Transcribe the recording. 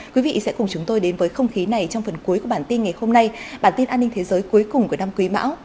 quý vị sẽ cùng chúng tôi đến với không khí này trong phần cuối của bản tin ngày hôm nay bản tin an ninh thế giới cuối cùng của năm quý mão